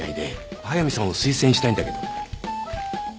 速見さんを推薦したいんだけど